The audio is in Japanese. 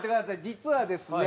実はですね